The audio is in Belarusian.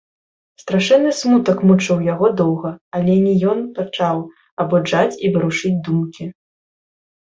Страшэнны смутак мучыў яго доўга, але не ён пачаў абуджаць і варушыць думкі.